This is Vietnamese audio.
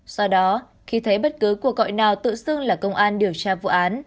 do đó khi thấy bất cứ cuộc gọi nào tự xưng là công an điều tra vụ án